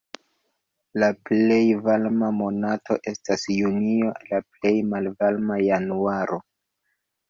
La plej varma monato estas junio, la plej malvarma januaro.